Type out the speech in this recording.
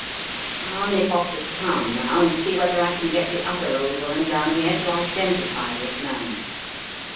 I'll nip off to town now and see whether I can get the other old woman down here to identify this man.